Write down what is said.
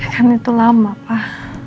jangan itu lama pak